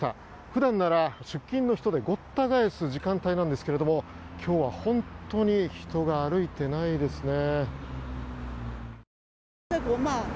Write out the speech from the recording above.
普段なら出勤の人でごった返す時間帯なんですが今日は本当に人が歩いていないですね。